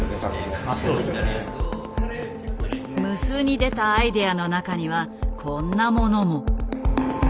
無数に出たアイデアの中にはこんなものも。